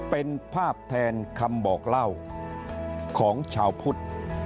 เป็นภาพแทนคำบอกเล่าของชาวพุทธ